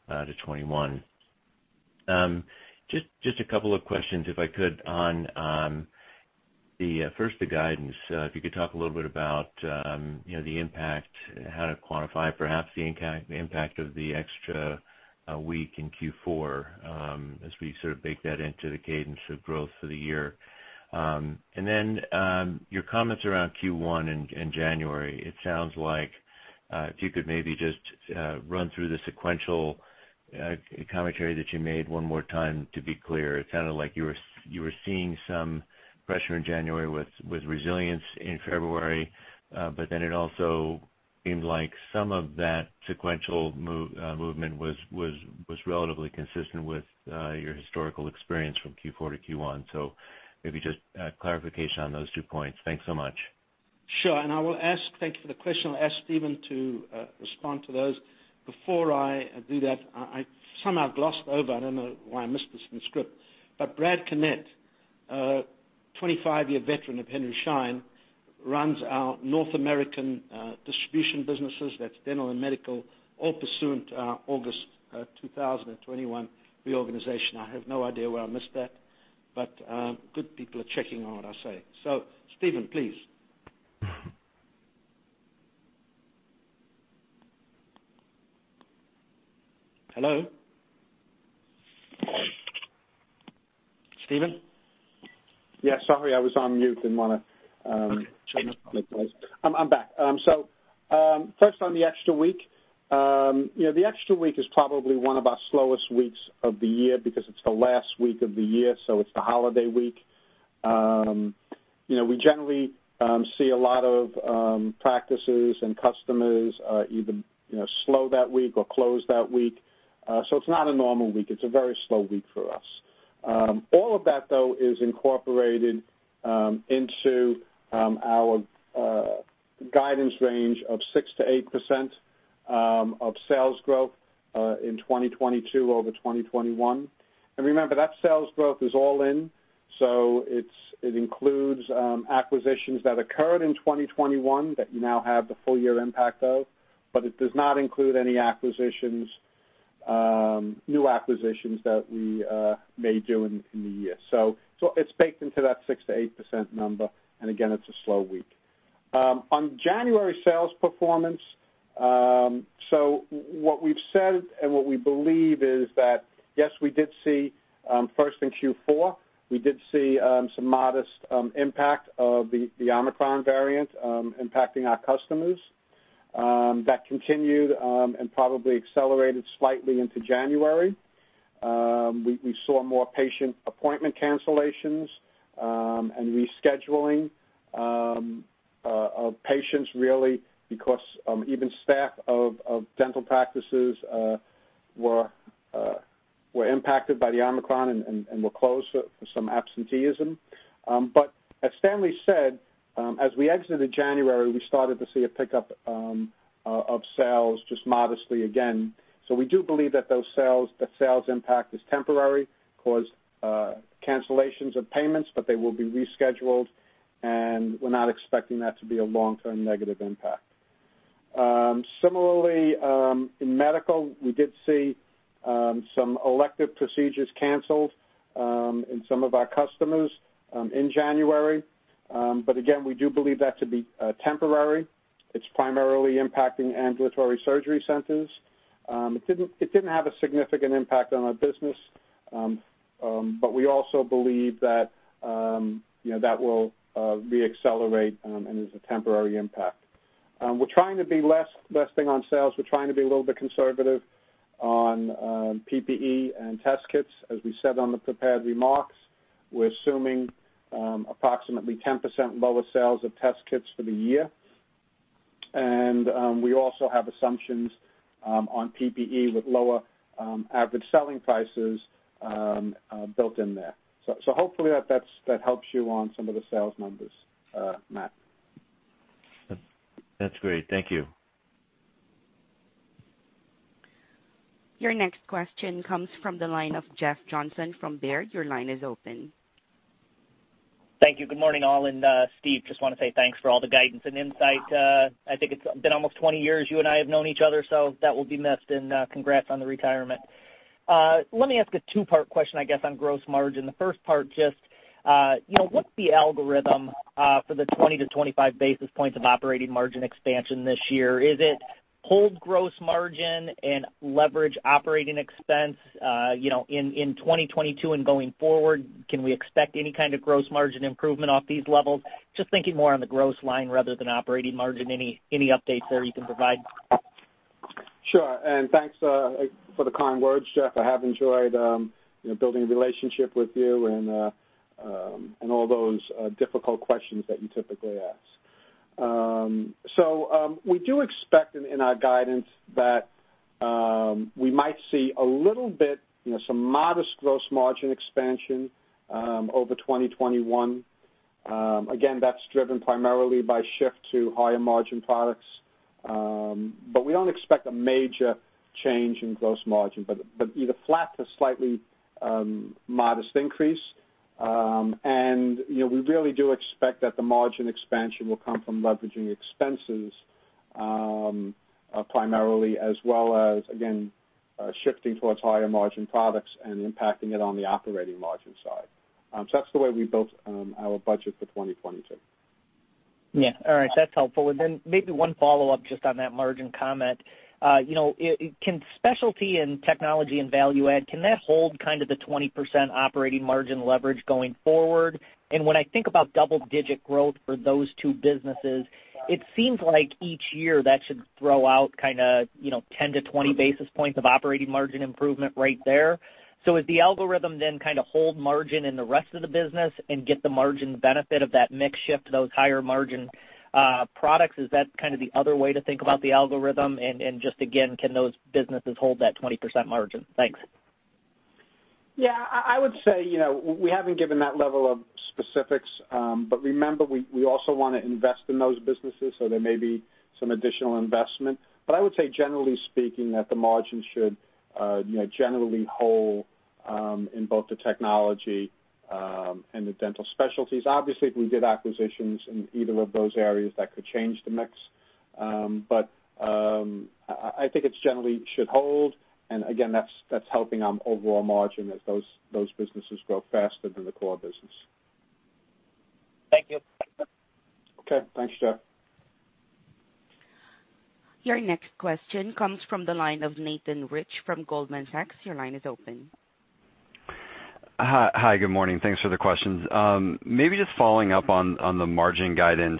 to 2021. Just a couple of questions, if I could, on the guidance first. If you could talk a little bit about, you know, the impact, how to quantify perhaps the impact of the extra week in Q4, as we sort of bake that into the cadence of growth for the year. And then, your comments around Q1 in January, it sounds like, if you could maybe just run through the sequential commentary that you made one more time to be clear. It sounded like you were seeing some pressure in January with resilience in February, but then it also seemed like some of that sequential movement was relatively consistent with your historical experience from Q4 to Q1. Maybe just clarification on those two points. Thanks so much. Thank you for the question. I'll ask Steven to respond to those. Before I do that, I somehow glossed over. I don't know why I missed this in the script, but Brad Connett, a 25-year veteran of Henry Schein, runs our North American distribution businesses. That's dental and medical, all pursuant to our August 2021 reorganization. I have no idea where I missed that, but good people are checking on what I say. Steven, please. Hello? Steven? Yeah, sorry, I was on mute, didn't wanna make noise. I'm back. First on the extra week. You know, the extra week is probably one of our slowest weeks of the year because it's the last week of the year, so it's the holiday week. You know, we generally see a lot of practices and customers even slow that week or close that week. It's not a normal week. It's a very slow week for us. All of that, though, is incorporated into our guidance range of 6%-8% of sales growth in 2022 over 2021. Remember, that sales growth is all in, so it includes acquisitions that occurred in 2021 that you now have the full year impact of, but it does not include any new acquisitions that we may do in the year. So it's baked into that 6%-8% number, and again, it's a slow week on January sales performance, so what we've said and what we believe is that, yes, we did see first in Q4 some modest impact of the Omicron variant impacting our customers. That continued and probably accelerated slightly into January. We saw more patient appointment cancellations and rescheduling of patients really because even staff of dental practices were impacted by the Omicron and were closed for some absenteeism. As Stanley said, as we exited January, we started to see a pickup of sales just modestly again. We do believe that those sales, the sales impact is temporary, caused by cancellations of payments, but they will be rescheduled, and we're not expecting that to be a long-term negative impact. Similarly, in Medical, we did see some elective procedures canceled in some of our customers in January. Again, we do believe that to be temporary. It's primarily impacting ambulatory surgery centers. It didn't have a significant impact on our business, but we also believe that, you know, that will reaccelerate and is a temporary impact. We're trying to be less aggressive on sales. We're trying to be a little bit conservative on PPE and test kits. As we said on the prepared remarks, we're assuming approximately 10% lower sales of test kits for the year. We also have assumptions on PPE with lower average selling prices built in there. So hopefully that's, that helps you on some of the sales numbers, Matt. That's great. Thank you. Your next question comes from the line of Jeff Johnson from Baird. Your line is open. Thank you. Good morning, all. Steve, just wanna say thanks for all the guidance and insight. I think it's been almost 20 years you and I have known each other, so that will be missed, and congrats on the retirement. Let me ask a two-part question, I guess, on gross margin. The first part just, you know, what's the algorithm for the 20-25 basis points of operating margin expansion this year? Is it hold gross margin and leverage operating expense, you know, in 2022 and going forward? Can we expect any kind of gross margin improvement off these levels? Just thinking more on the gross line rather than operating margin. Any updates there you can provide? Sure. Thanks for the kind words, Jeff. I have enjoyed you know, building a relationship with you and all those difficult questions that you typically ask. We do expect in our guidance that we might see a little bit you know, some modest gross margin expansion over 2021. Again, that's driven primarily by shift to higher margin products. We don't expect a major change in gross margin, either flat to slightly modest increase. You know, we really do expect that the margin expansion will come from leveraging expenses primarily, as well as again, shifting towards higher margin products and impacting it on the operating margin side. That's the way we built our budget for 2022. Yeah. All right. That's helpful. Maybe one follow-up just on that margin comment. You know, it can specialty and technology and value add, can that hold kind of the 20% operating margin leverage going forward? When I think about double-digit growth for those two businesses, it seems like each year that should throw out kinda, you know, 10-20 basis points of operating margin improvement right there. Is the algorithm then kinda hold margin in the rest of the business and get the margin benefit of that mix shift to those higher margin products? Is that kind of the other way to think about the algorithm? Just again, can those businesses hold that 20% margin? Thanks. Yeah. I would say, you know, we haven't given that level of specifics, but remember, we also wanna invest in those businesses, so there may be some additional investment. I would say generally speaking, that the margin should, you know, generally hold, in both the technology and the dental specialties. Obviously, if we did acquisitions in either of those areas, that could change the mix. I think it's generally should hold, and again, that's helping on overall margin as those businesses grow faster than the core business. Thank you. Okay. Thanks, Jeff. Your next question comes from the line of Nathan Rich from Goldman Sachs. Your line is open. Hi. Good morning. Thanks for the questions. Maybe just following up on the margin guidance.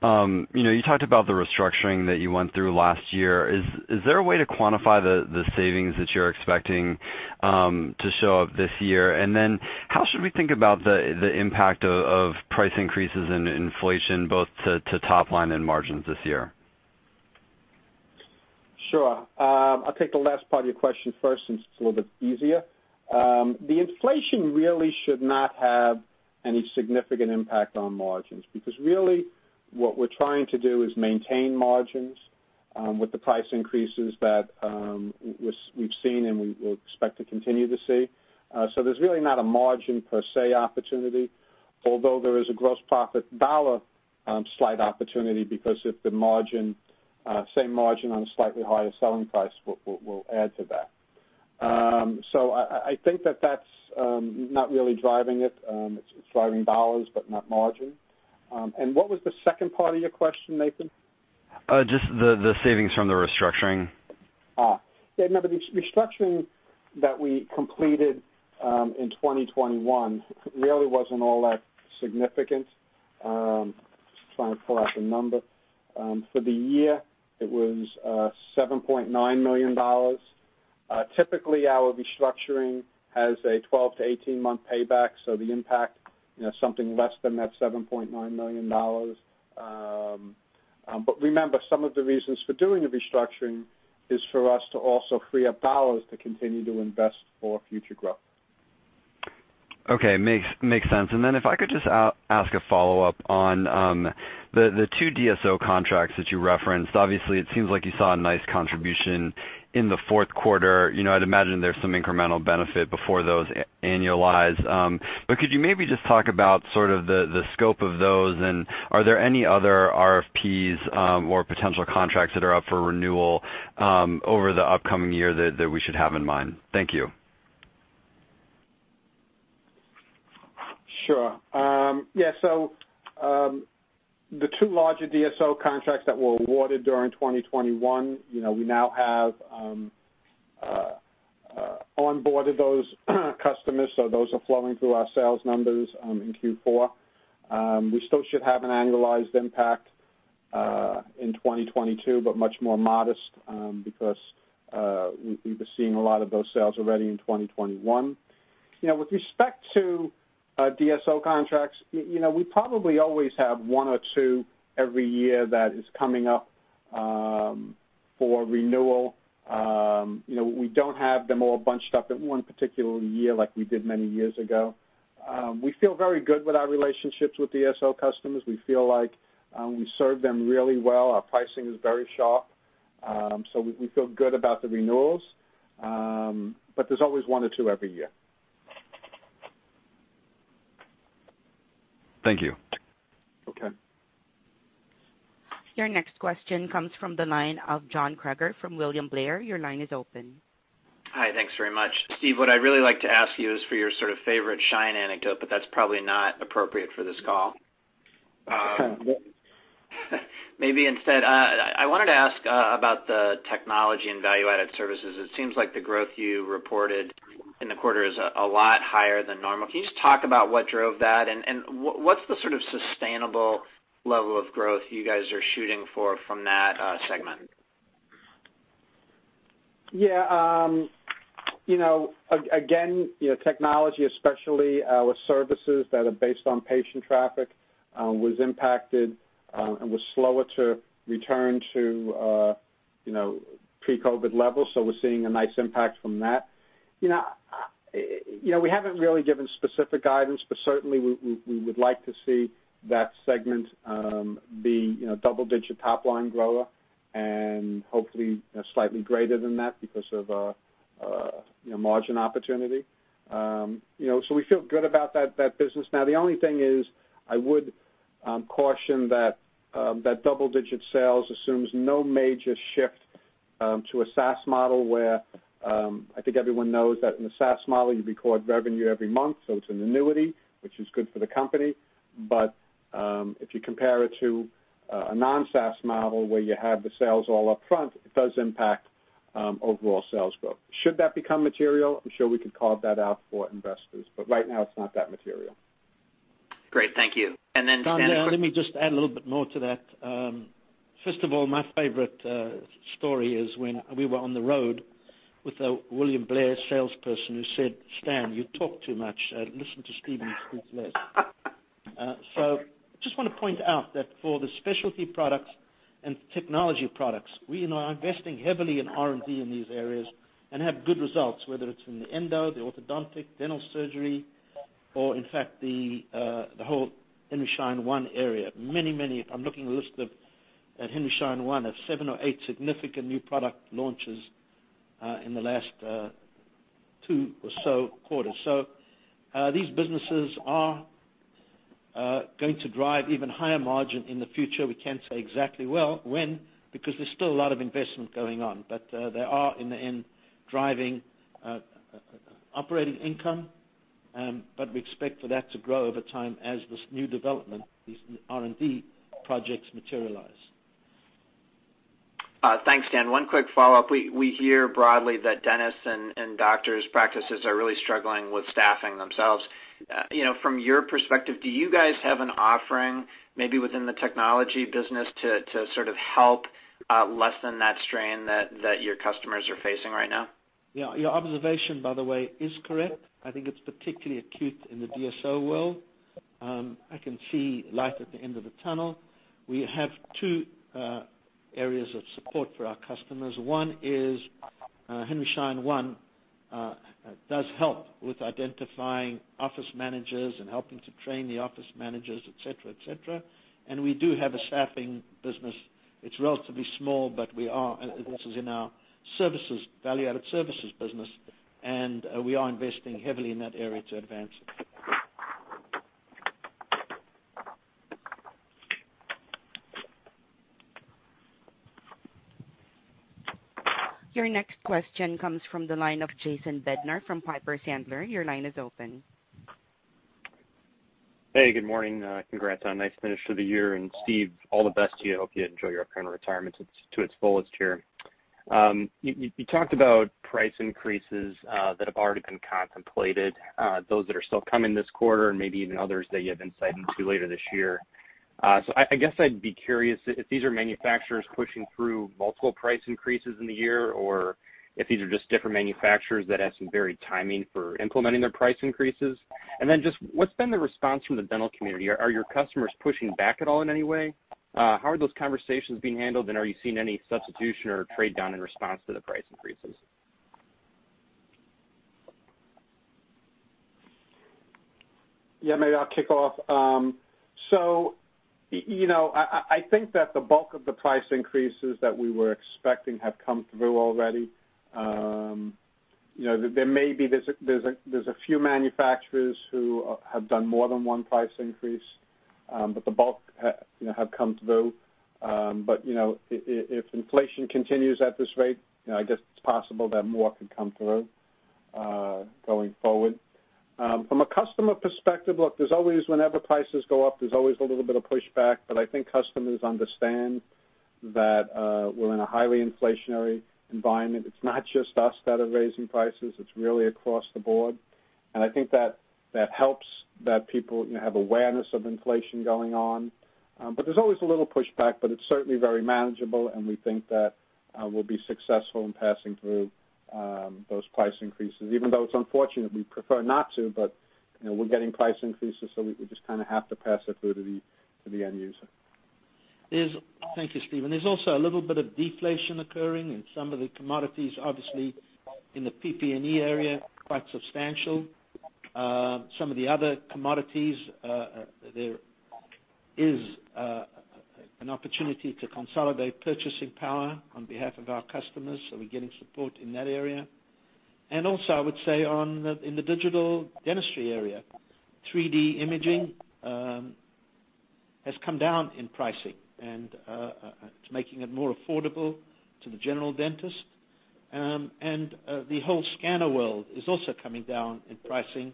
You know, you talked about the restructuring that you went through last year. Is there a way to quantify the savings that you're expecting to show up this year? And then how should we think about the impact of price increases and inflation both to top line and margins this year? Sure. I'll take the last part of your question first since it's a little bit easier. The inflation really should not have any significant impact on margins because really what we're trying to do is maintain margins with the price increases that we've seen and we expect to continue to see. So there's really not a margin per se opportunity, although there is a gross profit dollar, slight opportunity because if the margin, same margin on a slightly higher selling price will add to that. So I think that that's not really driving it. It's driving dollars but not margin. What was the second part of your question, Nathan? Just the savings from the restructuring. Yeah, no, the restructuring that we completed in 2021 really wasn't all that significant. Just trying to pull out the number. For the year, it was $7.9 million. Typically our restructuring has a 12- to 18-month payback, so the impact, you know, something less than that $7.9 million. Remember, some of the reasons for doing the restructuring is for us to also free up dollars to continue to invest for future growth. Okay. Makes sense. Then if I could just ask a follow-up on the two DSO contracts that you referenced. Obviously, it seems like you saw a nice contribution in the. You know, I'd imagine there's some incremental benefit before those annualize. But could you maybe just talk about sort of the scope of those, and are there any other RFPs or potential contracts that are up for renewal over the upcoming year that we should have in mind? Thank you. Sure. Yeah. The two large DSO contracts that were awarded during 2021, you know, we now have onboarded those customers, so those are flowing through our sales numbers in Q4. We still should have an annualized impact in 2022, but much more modest, because we've been seeing a lot of those sales already in 2021. You know, with respect to DSO contracts, you know, we probably always have one or two every year that is coming up for renewal. You know, we don't have them all bunched up in one particular year like we did many years ago. We feel very good with our relationships with DSO customers. We feel like we serve them really well. Our pricing is very sharp. We feel good about the renewals. There's always one or two every year. Thank you. Okay. Your next question comes from the line of Jonathan Kaufman from William Blair. Your line is open. Hi. Thanks very much. Steve, what I'd really like to ask you is for your sort of favorite Henry Schein anecdote, but that's probably not appropriate for this call. Maybe instead, I wanted to ask about the technology and value-added services. It seems like the growth you reported in the quarter is a lot higher than normal. Can you just talk about what drove that, and what's the sort of sustainable level of growth you guys are shooting for from that segment? Yeah. You know, again, you know, technology especially, with services that are based on patient traffic, was impacted, and was slower to return to, you know, pre-COVID levels. So we're seeing a nice impact from that. You know, you know, we haven't really given specific guidance, but certainly we would like to see that segment, you know, be a double-digit top-line grower and hopefully slightly greater than that because of, you know, margin opportunity. You know, so we feel good about that business. Now, the only thing is I would caution that double-digit sales assumes no major shift, to a SaaS model where, I think everyone knows that in a SaaS model, you record revenue every month, so it's an annuity, which is good for the company. If you compare it to a non-SaaS model where you have the sales all up front, it does impact overall sales growth. Should that become material, I'm sure we could call that out for investors, but right now it's not that material. Great. Thank you. Stan- Stanley, let me just add a little bit more to that. First of all, my favorite story is when we were on the road with a William Blair salesperson who said, "Stanley, you talk too much. Listen to Steven and speak less." Just wanna point out that for the specialty products and technology products, we, you know, are investing heavily in R&D in these areas and have good results, whether it's in the endo, the orthodontic, dental surgery or in fact the whole Henry Schein One area. Many I'm looking at a list at Henry Schein One of seven or eight significant new product launches in the last two or so quarters. These businesses are going to drive even higher margin in the future. We can't say exactly well when, because there's still a lot of investment going on. They are in the end driving operating income, but we expect for that to grow over time as this new development, these R&D projects materialize. Thanks, Stan. One quick follow-up. We hear broadly that dentists and doctors practices are really struggling with staffing themselves. You know, from your perspective, do you guys have an offering maybe within the technology business to sort of help lessen that strain that your customers are facing right now? Yeah. Your observation, by the way, is correct. I think it's particularly acute in the DSO world. I can see light at the end of the tunnel. We have two areas of support for our customers. One is Henry Schein One does help with identifying office managers and helping to train the office managers, et cetera, et cetera. We do have a staffing business. It's relatively small, but this is in our services, value-added services business, and we are investing heavily in that area to advance it. Your next question comes from the line of Jason Bednar from Piper Sandler. Your line is open. Hey, good morning. Congrats on a nice finish to the year. Steve, all the best to you. Hope you enjoy your current retirement to its fullest here. You talked about price increases that have already been contemplated, those that are still coming this quarter and maybe even others that you have insight into later this year. I guess I'd be curious if these are manufacturers pushing through multiple price increases in the year or if these are just different manufacturers that have some varied timing for implementing their price increases. Just what's been the response from the dental community? Are your customers pushing back at all in any way? How are those conversations being handled, and are you seeing any substitution or trade-down in response to the price increases? Yeah, maybe I'll kick off. You know, I think that the bulk of the price increases that we were expecting have come through already. You know, there may be a few manufacturers who have done more than one price increase, but the bulk have come through. If inflation continues at this rate, I guess it's possible that more could come through going forward. From a customer perspective, look, there's always, whenever prices go up, there's always a little bit of pushback, but I think customers understand that we're in a highly inflationary environment. It's not just us that are raising prices, it's really across the board. I think that helps that people have awareness of inflation going on. There's always a little pushback, but it's certainly very manageable and we think that we'll be successful in passing through those price increases. Even though it's unfortunate, we'd prefer not to, but you know, we're getting price increases, so we just kinda have to pass it through to the end user. Thank you, Steve. There's also a little bit of deflation occurring in some of the commodities, obviously in the PPE area, quite substantial. Some of the other commodities, there is an opportunity to consolidate purchasing power on behalf of our customers, so we're getting support in that area. I would say in the digital dentistry area, 3D imaging has come down in pricing and it's making it more affordable to the general dentist. The whole scanner world is also coming down in pricing,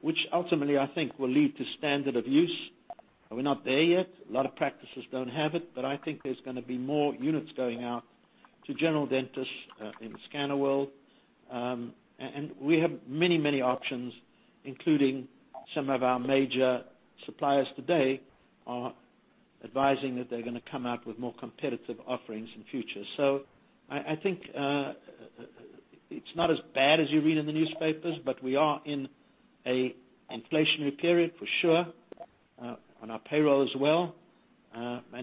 which ultimately I think will lead to standard of use. We're not there yet, a lot of practices don't have it, but I think there's gonna be more units going out to general dentists in the scanner world. We have many options, including some of our major suppliers today are advising that they're gonna come out with more competitive offerings in future. I think it's not as bad as you read in the newspapers, but we are in an inflationary period for sure, on our payroll as well.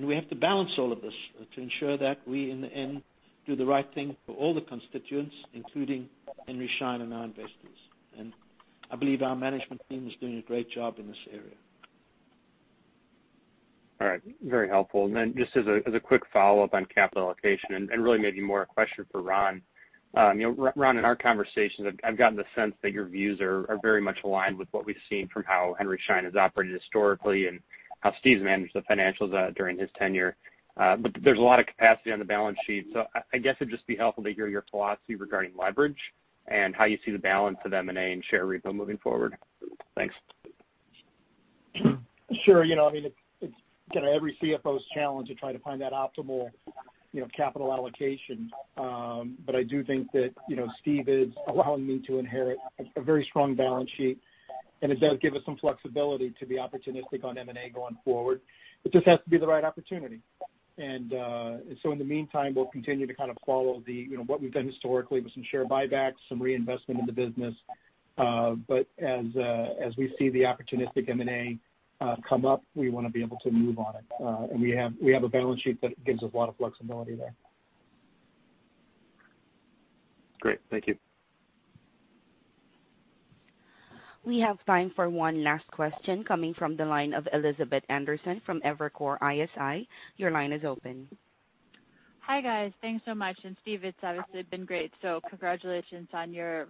We have to balance all of this to ensure that we, in the end, do the right thing for all the constituents, including Henry Schein and our investors. I believe our management team is doing a great job in this area. All right. Very helpful. Just as a quick follow-up on capital allocation, really maybe more a question for Ron. You know, Ron, in our conversations, I've gotten the sense that your views are very much aligned with what we've seen from how Henry Schein has operated historically and how Steve's managed the financials during his tenure. There's a lot of capacity on the balance sheet. I guess it'd just be helpful to hear your philosophy regarding leverage and how you see the balance of M&A and share repo moving forward. Thanks. Sure. You know, I mean, it's kinda every CFO's challenge to try to find that optimal, you know, capital allocation. I do think that, you know, Steve is allowing me to inherit a very strong balance sheet, and it does give us some flexibility to be opportunistic on M&A going forward. It just has to be the right opportunity. In the meantime, we'll continue to kind of follow, you know, what we've done historically with some share buybacks, some reinvestment in the business. As we see the opportunistic M&A come up, we wanna be able to move on it. We have a balance sheet that gives us a lot of flexibility there. Great. Thank you. We have time for one last question coming from the line of Elizabeth Anderson from Evercore ISI. Your line is open. Hi, guys. Thanks so much. Steve, it's obviously been great, so congratulations on your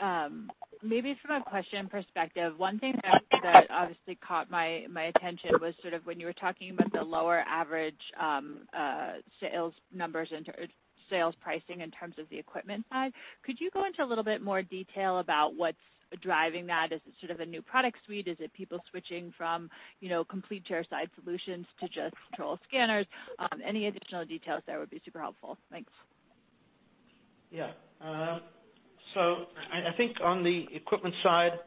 retirement. Maybe from a question perspective, one thing that obviously caught my attention was sort of when you were talking about the lower average sales pricing in terms of the equipment side. Could you go into a little bit more detail about what's driving that? Is it sort of a new product suite? Is it people switching from, you know, complete chairside solutions to just intraoral scanners? Any additional details there would be super helpful. Thanks. Yeah. I think on the equipment side,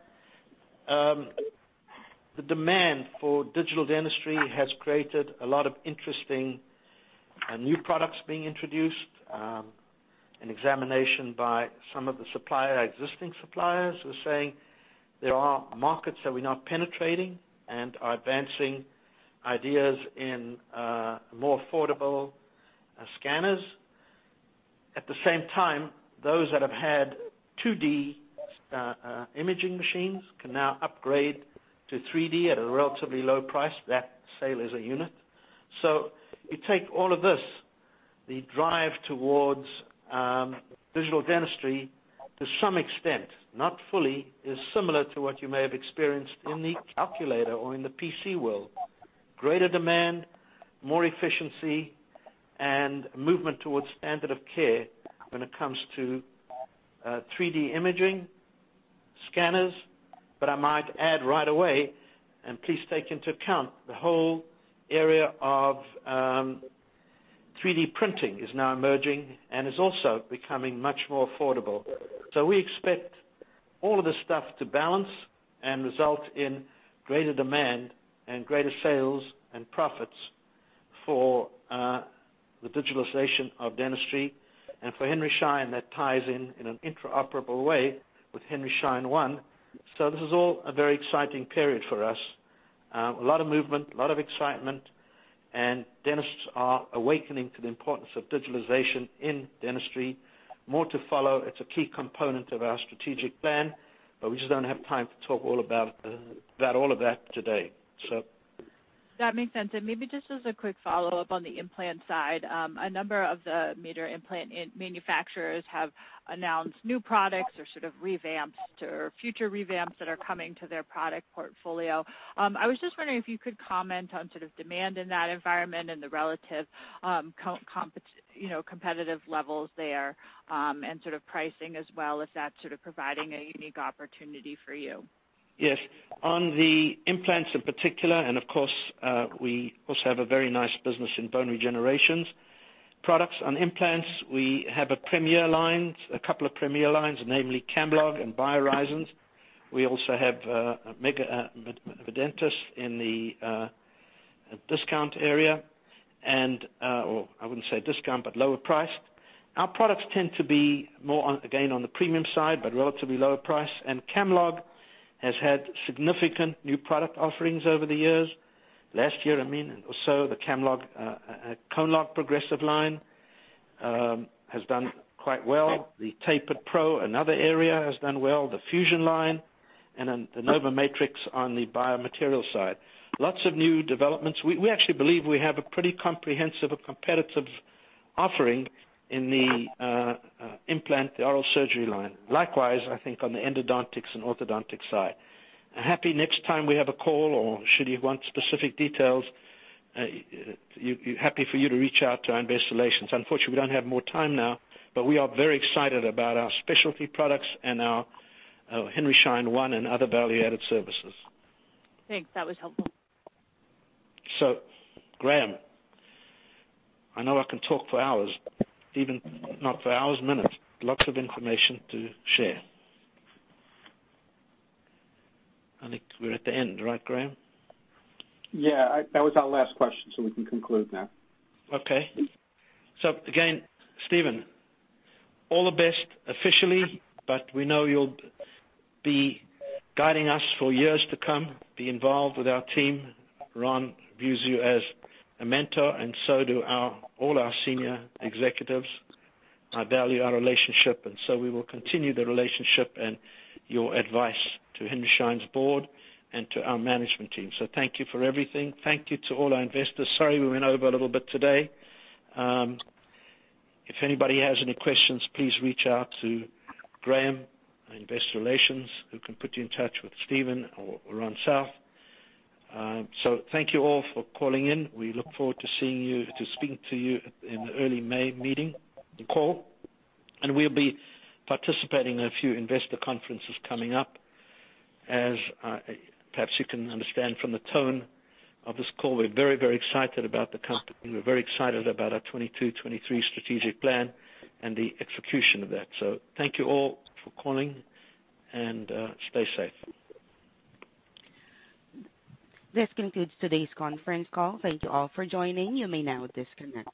the demand for digital dentistry has created a lot of interesting new products being introduced, and expansion by some of the existing suppliers are saying there are markets that we're not penetrating and are advancing ideas in more affordable scanners. At the same time, those that have had 2D imaging machines can now upgrade to 3D at a relatively low price. That sale is a unit. You take all of this, the drive towards digital dentistry. To some extent, not fully, is similar to what you may have experienced in the calculator or in the PC world. Greater demand, more efficiency, and movement towards standard of care when it comes to 3D imaging, scanners. I might add right away, and please take into account, the whole area of 3D printing is now emerging and is also becoming much more affordable. We expect all of this stuff to balance and result in greater demand and greater sales and profits for the digitalization of dentistry. For Henry Schein, that ties in in an interoperable way with Henry Schein One. This is all a very exciting period for us. A lot of movement, a lot of excitement, and dentists are awakening to the importance of digitalization in dentistry. More to follow. It's a key component of our strategic plan, but we just don't have time to talk all about all of that today, so..... That makes sense. Maybe just as a quick follow-up on the implant side, a number of the major implant manufacturers have announced new products or sort of revamped or future revamps that are coming to their product portfolio. I was just wondering if you could comment on sort of demand in that environment and the relative, you know, competitive levels there, and sort of pricing as well, if that's sort of providing a unique opportunity for you. Yes. On the implants in particular, and of course, we also have a very nice business in bone regeneration products. On implants, we have a premier line, a couple of premier lines, namely Camlog and BioHorizons. We also have Medentis in the discount area, or I wouldn't say discount, but lower priced. Our products tend to be more on, again, on the premium side, but relatively lower price. Camlog has had significant new product offerings over the years. Last year, I mean, the Camlog CONELOG PROGRESSIVE-LINE has done quite well. The Tapered Pro, another area, has done well. The Fusion line and then the NovoMatrix on the biomaterial side. Lots of new developments. We actually believe we have a pretty comprehensive, competitive offering in the implant, the oral surgery line. Likewise, I think on the endodontics and orthodontics side. I'm happy next time we have a call or should you want specific details. I'm happy for you to reach out to Investor Relations. Unfortunately, we don't have more time now, but we are very excited about our specialty products and our Henry Schein One and other value-added services. Thanks. That was helpful. Graham, I know I can talk for hours, even not for hours, minutes. Lots of information to share. I think we're at the end, right, Graham? That was our last question, so we can conclude now. Okay. Again, Steven, all the best officially, but we know you'll be guiding us for years to come, be involved with our team. Ron views you as a mentor and so do our, all our senior executives. I value our relationship, and so we will continue the relationship and your advice to Henry Schein's board and to our management team. Thank you for everything. Thank you to all our investors. Sorry we went over a little bit today. If anybody has any questions, please reach out to Graham, our investor relations, who can put you in touch with Steven or Ronald South. Thank you all for calling in. We look forward to seeing you, to speaking to you in the early May meeting call. We'll be participating in a few investor conferences coming up. As perhaps you can understand from the tone of this call, we're very, very excited about the company. We're very excited about our 2022-2023 strategic plan and the execution of that. Thank you all for calling and stay safe. This concludes today's conference call. Thank you all for joining. You may now disconnect.